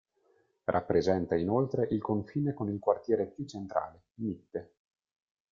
Rappresenta inoltre il confine con il quartiere più centrale, Mitte.